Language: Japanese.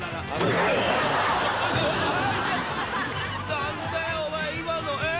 ［何だよお前今のえっ？